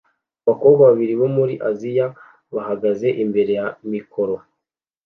Abakobwa babiri bo muri Aziya bahagaze imbere ya mikoro